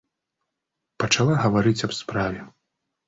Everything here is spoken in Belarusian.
Пачала гаварыць аб справе.